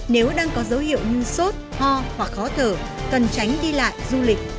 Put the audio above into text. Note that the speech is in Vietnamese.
nếu đang có dấu hiệu như sốt ho hoặc khó thở cần tránh đi lại du lịch